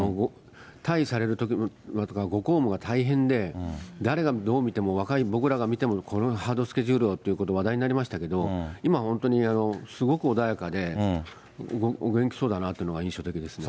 退位されるとき、ご公務が大変で、誰がどう見ても、若い僕らが見ても、このハードスケジュールをということで話題になりましたけど、今、本当にすごく穏やかで、お元気そうだなというのが印象的ですね。